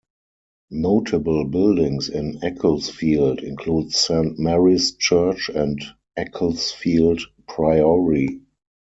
Notable buildings in Ecclesfield include Saint Mary's Church and Ecclesfield Priory.